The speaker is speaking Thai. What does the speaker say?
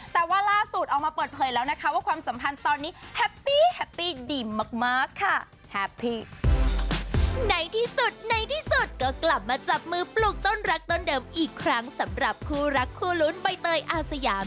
แต่ว่าล่าสุดออกมาเปิดเผยแล้วนะคะว่าความสัมพันธ์ตอนนี้แฮปปี้แฮปปี้ดีมากค่ะ